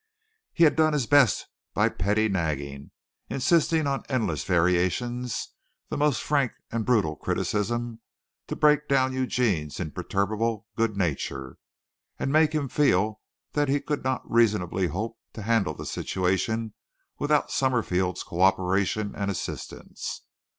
He had done his best by petty nagging, insisting on endless variations, the most frank and brutal criticism, to break down Eugene's imperturbable good nature and make him feel that he could not reasonably hope to handle the situation without Summerfield's co operation and assistance.